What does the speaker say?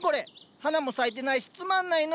花も咲いてないしつまんないの。